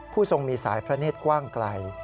ทรงมีสายพระเนธกว้างไกล